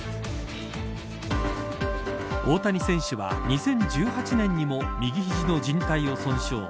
大谷選手は２０１８年にも右肘の靱帯を損傷。